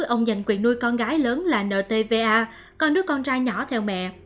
ông dành quyền nuôi con gái lớn là nợ tva còn đứa con trai nhỏ theo mẹ